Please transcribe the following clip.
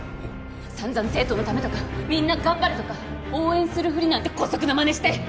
散々生徒のためとかみんな頑張れとか応援するふりなんて姑息なまねして！